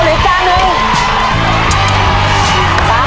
แม่กะเพราเหลืออีกจานหนึ่ง